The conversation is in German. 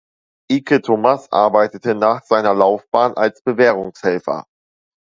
Ike Thomas arbeitete nach seiner Laufbahn als Bewährungshelfer.